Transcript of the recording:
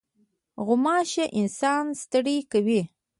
غوماشه انسان ستړی کوي.